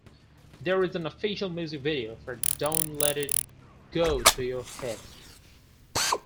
There is an official music video for "Don't Let It Go to Your Head".